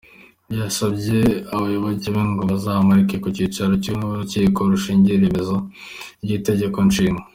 Yasabye abayoboke be ngo bazamuherekeze ku cyicaro cy’Urukiko rushinzwe iremezo ry’itegeko-nshinga.